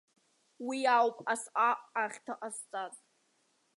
Уи ауп асҟак ахьҭа ҟазҵаз.